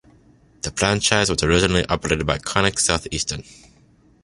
The franchise was originally operated by Connex South Eastern.